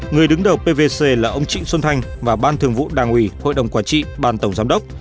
người đứng đầu pvc là ông trịnh xuân thanh và ban thường vụ đảng ủy hội đồng quản trị ban tổng giám đốc